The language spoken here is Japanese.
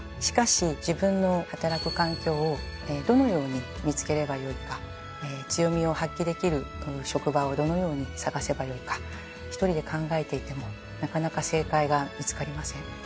しかし自分の働く環境をどのように見つければよいか強みを発揮できる職場をどのように探せばよいか一人で考えていてもなかなか正解が見つかりません。